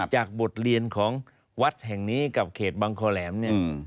จากบทเรียนของวัดแห่งนี้กับเขตบังคอแหลมเนี่ย